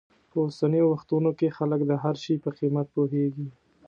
په اوسنیو وختونو کې خلک د هر شي په قیمت پوهېږي.